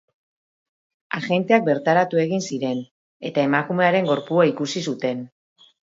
Agenteak bertaratu egin ziren, eta emakumearen gorpua ikusi zuten.